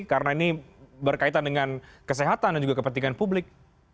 karena ini berkaitan dengan kesehatan dan juga kepentingan publik